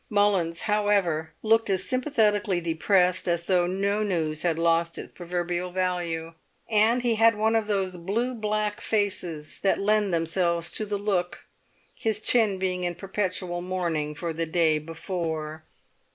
Mullins, however, looked as sympathetically depressed as though no news had lost its proverbial value; and he had one of those blue black faces that lend themselves to the look, his chin being in perpetual mourning for the day before.